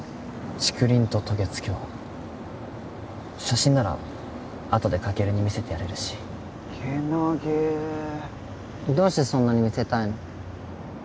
竹林と渡月橋写真ならあとでカケルに見せてやれるしけなげどうしてそんなに見せたいの？